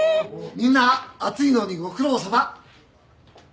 みんな暑いのにご苦労さま。